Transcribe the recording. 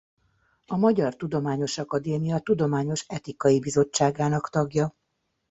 A Magyar Tudományos Akadémia Tudományos etikai Bizottságának tagja.